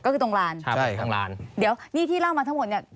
ก็คือตรงลานใช่ตรงลานเดี๋ยวนี่ที่เล่ามาทั้งหมดเนี่ย